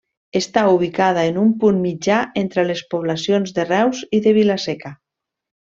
Està ubicada en un punt mitjà entre les poblacions de Reus i de Vila-seca.